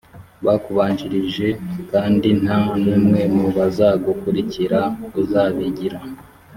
bakubanjirije f kandi nta n umwe mu bazagukurikira uzabigira